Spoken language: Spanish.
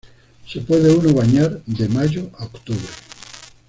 Se puede uno bañar de mayo a octubre.